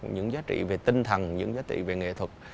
những giá trị về tinh thần những giá trị về nghệ thuật